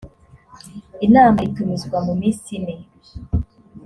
inama itumizwa mu minsi ine.